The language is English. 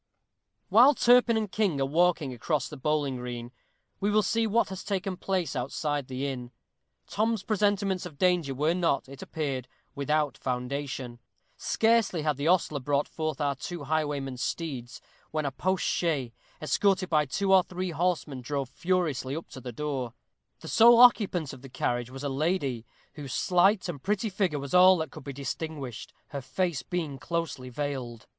_ While Turpin and King are walking across the bowling green, we will see what has taken place outside the inn. Tom's presentiments of danger were not, it appeared, without foundation. Scarcely had the ostler brought forth our two highwaymen's steeds, when a post chaise, escorted by two or three horsemen, drove furiously up to the door. The sole occupant of the carriage was a lady, whose slight and pretty figure was all that could be distinguished, her face being closely veiled.